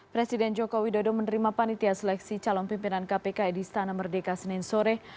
presiden joko widodo menerima panitia seleksi calon pimpinan kpk di istana merdeka senin sore